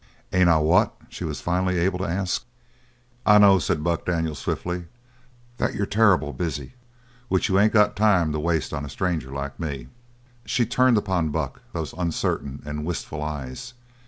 "Ain't I what?" she was finally able to ask. "I know," said Buck Daniels swiftly, "that you're terrible busy; which you ain't got time to waste on a stranger like me." She turned upon Buck those uncertain and wistful eyes.